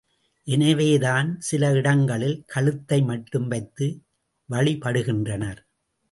எனவேதான், சில இடங்களில் கழுத்தை மட்டும் வைத்து வழிபடுகின்றனர்.